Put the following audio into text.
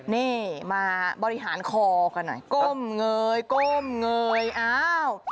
นี่มาบริหารคอกันหน่อยก้มเงยก้มเงยอ้าว